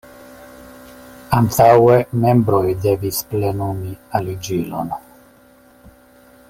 Antaŭe membroj devis plenumi aliĝilon.